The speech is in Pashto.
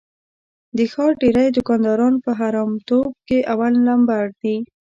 د ښار ډېری دوکانداران په حرامتوب کې اول لمبر دي.